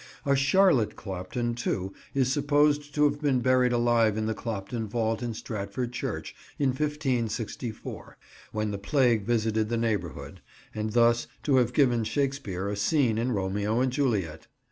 A Charlotte Clopton, too, is supposed to have been buried alive in the Clopton vault in Stratford church in 1564, when the plague visited the neighbourhood, and thus to have given Shakespeare a scene in Romeo and Juliet.